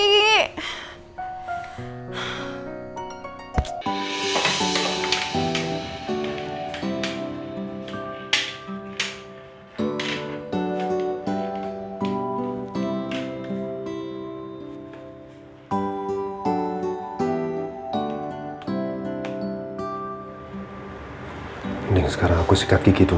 mending sekarang aku sikat kiki dulu